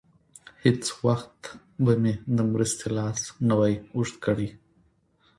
هېڅ وخت به مې د مرستې لاس نه وای اوږد کړی.